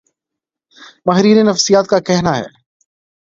ماہرین نفسیات کا کہنا ہے